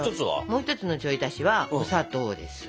もう一つのちょい足しはお砂糖です。